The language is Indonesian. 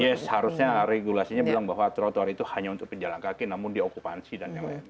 yes seharusnya regulasinya bilang bahwa trotoar itu hanya untuk pejalan kaki namun diokupansi dan yang lain